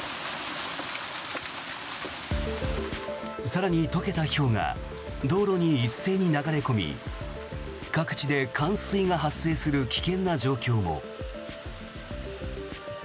更に解けたひょうが道路に一斉に流れ込み各地で冠水が発生する危険な状況も。